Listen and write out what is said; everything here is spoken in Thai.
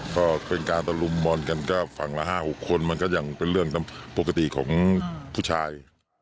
ก็เป็นการตะลุมบอลกันก็ฝั่งละ๕๖คนมันก็ยังเป็นเรื่องปกติของผู้ชาย